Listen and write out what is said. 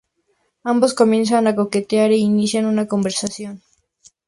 Ambos comienzan a coquetear e inician una conversación.